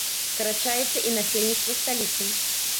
Скарачаецца і насельніцтва сталіцы.